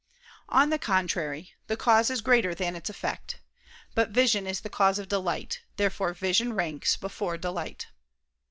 On the contrary, The cause is greater than its effect. But vision is the cause of delight. Therefore vision ranks before delight.